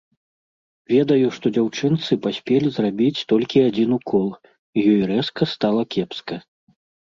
Ведаю, што дзяўчынцы паспелі зрабіць толькі адзін укол, і ёй рэзка стала кепска.